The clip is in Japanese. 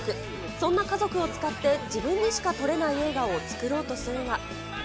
そんな家族を使って自分にしか撮れない映画を作ろうとするが。